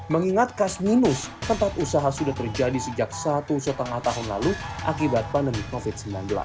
mengingat kas minus tempat usaha sudah terjadi sejak satu setengah tahun lalu akibat pandemi covid sembilan belas